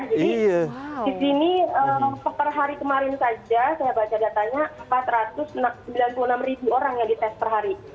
jadi di sini per hari kemarin saja saya baca datanya empat ratus sembilan puluh enam ribu orang yang dites per hari